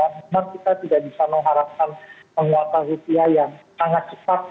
memang kita tidak bisa mengharapkan penguatan rupiah yang sangat cepat